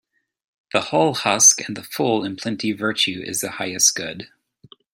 The hull husk and the full in plenty Virtue is the highest good.